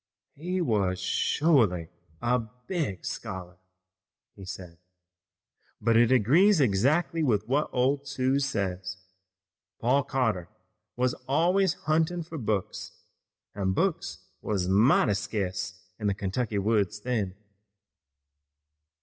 "He wuz shorely a big scholar," he said, "but it agrees exactly with what old Aunt Suse says. Paul Cotter was always huntin' fur books, an' books wuz mighty sca'ce in the Kentucky woods then."